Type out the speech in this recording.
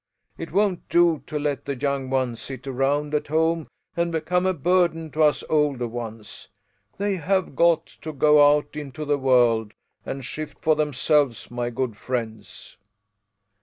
It won't do to let the young ones sit around at home and become a burden to us older ones. They have got to go out into the world and shift for themselves my good friends."